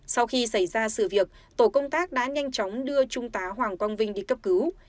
sau khi xảy ra sự việc tổ công tác đã nhanh chóng đưa trung tá hoàng quang vinh đi cấp cứu